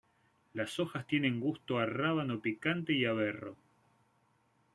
Las hojas tienen gusto a rábano picante y a berro.